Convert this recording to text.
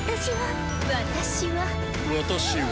私は。